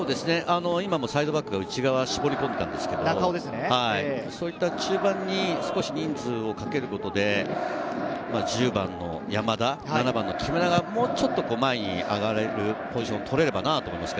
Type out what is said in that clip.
今もサイドバックが内側、絞り込んでいたんですが、そういった中盤に少し人数をかけることで、１０番の山田、７番の木村がもうちょっと前に上がれるポジションを取れればなと思います。